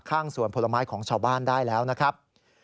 ข้างสวนผลไม้ของชาวบ้านได้แล้วนะครับ